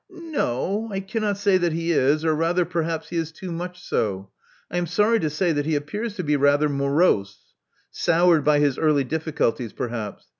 *'N no, I cannot say that he is — or rather perhaps he is too much so. I am sorry to say that he appears to be rather morose — soured by his early difficulties, perhaps.